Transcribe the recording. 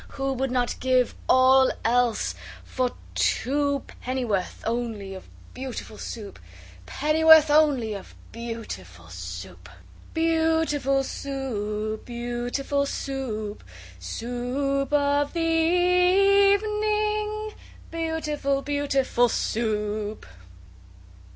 Who would not give all else for two Pennyworth only of Beautiful Soup? Pennyworth only of beautiful Soup? Beau ootiful Soo oop! Beau ootiful Soo oop! Soo oop of the e e evening, Beautiful, beauti FUL SOUP!